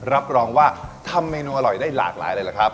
รับรองว่าทำเมนูอร่อยได้หลากหลายเลยล่ะครับ